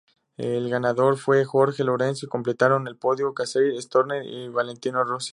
El ganador fue Jorge Lorenzo y completaron el podio Casey Stoner y Valentino Rossi.